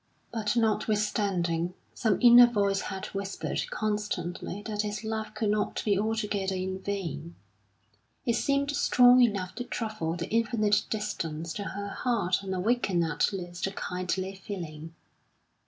But notwithstanding, some inner voice had whispered constantly that his love could not be altogether in vain; it seemed strong enough to travel the infinite distance to her heart and awaken at least a kindly feeling.